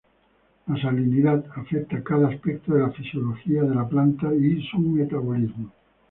La salinidad afecta cada aspecto de la fisiología de la planta y su metabolismo.